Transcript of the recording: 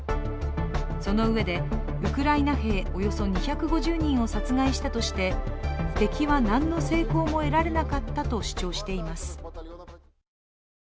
そのうえで、ウクライナ兵およそ２５０人を殺害したとして敵は何の成功も得られなかったと主張しています。